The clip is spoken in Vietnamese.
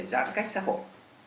bản cách xã hội